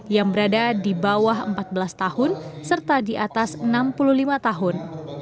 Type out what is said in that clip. yang berada di bawah empat belas tahun serta di atas enam puluh lima tahun